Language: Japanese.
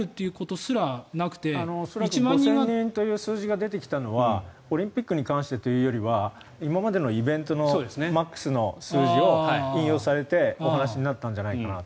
恐らく５０００人という数字が出てきたのはオリンピックに関してというよりは今までのイベントのマックスの数字を引用されてお話になったんじゃないかと。